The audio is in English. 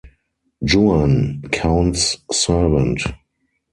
Juan: Count’s servant.